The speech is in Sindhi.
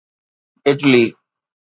اٽلي